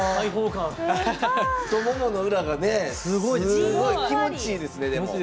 太ももの裏がねすごい気持ちいいですね、でも。